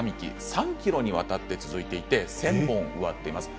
３ｋｍにわたって続いていて１０００本も植わっています。